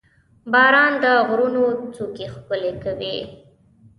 • باران د غرونو څوکې ښکلې کوي.